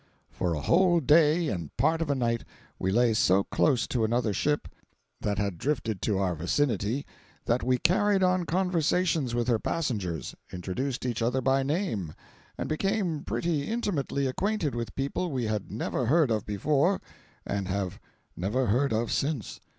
For a whole day and part of a night we lay so close to another ship that had drifted to our vicinity, that we carried on conversations with her passengers, introduced each other by name, and became pretty intimately acquainted with people we had never heard of before, and have never heard of since.